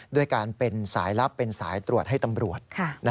ด้วยการเป็นสายลับเป็นสายตรวจให้ตำรวจ